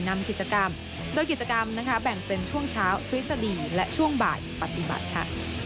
นำกิจกรรมโดยกิจกรรมนะคะแบ่งเป็นช่วงเช้าทฤษฎีและช่วงบ่ายปฏิบัติค่ะ